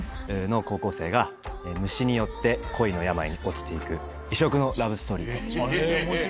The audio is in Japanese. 高校生が虫によって恋の病に落ちて行く異色のラブストーリーとなってます